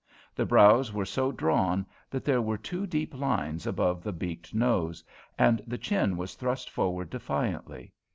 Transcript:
The brows were so drawn that there were two deep lines above the beaked nose, and the chin was thrust forward defiantly.